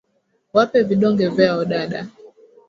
Wape vidonge vyao dada.